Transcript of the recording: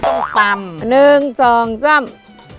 แต่เขาเด็ดงานต้องต่ำ